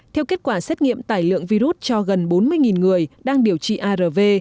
theo kết quả xét nghiệm tải lượng virus cho gần bốn mươi người đang điều trị arv